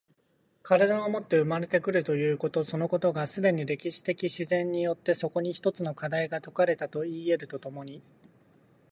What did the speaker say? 身体をもって生まれて来るということそのことが、既に歴史的自然によってそこに一つの課題が解かれたといい得ると共に